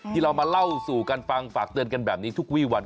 ที่เรามาเล่าสู่กันฟังฝากเตือนกันแบบนี้ทุกวี่วัน